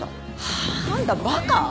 はあ？あんたバカ？